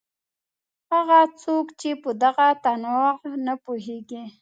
هغه څوک چې په دغه تنوع نه پوهېږي.